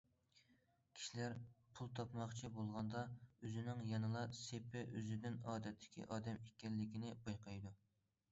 كىشىلەر پۇل تاپماقچى بولغاندا، ئۆزىنىڭ يەنىلا سېپى ئۆزىدىن ئادەتتىكى ئادەم ئىكەنلىكىنى بايقايدۇ.